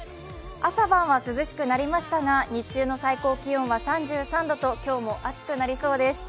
朝晩は涼しくなりましたが日中の最高気温は３３度と今日も暑くなりそうです。